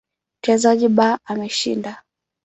Mchezaji B ameshinda.